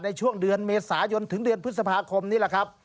ในช่วงเดือนเมษายนถึงเดือนพฤษภาคมนี่แหละครับ